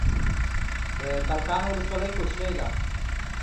د کلکان ولسوالۍ کوچنۍ ده